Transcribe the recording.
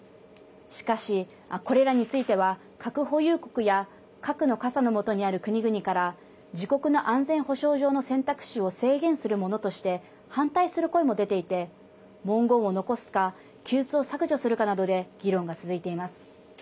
しかし、これらについては核保有国や核の傘のもとにある国々から自国の安全保障上の選択肢を制限するものとして反対する声も出ていて文言を残すか記述を削除するかなどで議論が続いています。